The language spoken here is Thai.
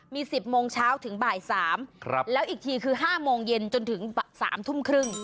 มี๑๐โมงเช้าถึงบ่าย๓แล้วอีกทีคือ๕โมงเย็นจนถึง๓ทุ่มครึ่ง